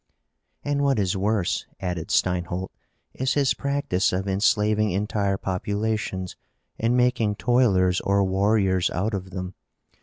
"And what is worse," added Steinholt, "is his practice of enslaving entire populations and making toilers or warriors out of them.